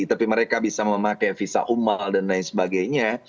tapi mereka bisa memakai visa umal dan lain sebagainya